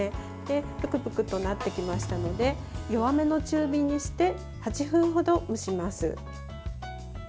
プクプクとなってきましたので弱めの中火にして８分ほど蒸します。